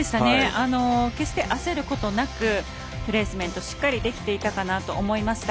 決して、焦ることなくプレースメントしっかりできていたかなと思いました。